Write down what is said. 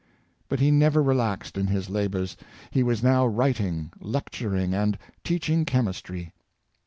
But he never relaxed in his labors. He was now writing, lecturing and teaching chemistry.